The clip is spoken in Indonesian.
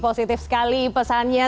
positif sekali pesannya